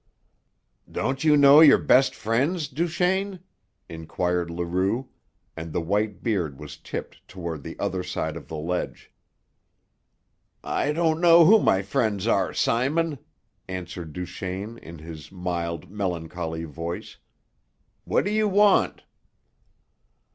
"Don't you know your best friends, Duchaine?" inquired Leroux; and the white beard was tipped toward the other side of the ledge. "I don't know who my friends are, Simon," answered Duchaine, in his mild, melancholy voice. "What do you want?"